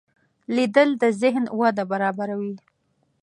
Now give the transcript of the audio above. لیدل د ذهن وده برابروي